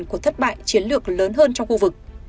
của thất bại chiến lược lớn hơn trong khu vực